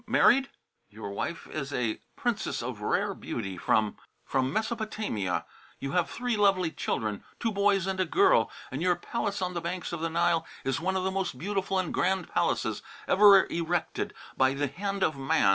Married?" "Your wife is a princess of rare beauty from from Mesopotamia. You have three lovely children, two boys and a girl, and your palace on the banks of the Nile is one of the most beautiful and grand palaces ever erected by the hand of man.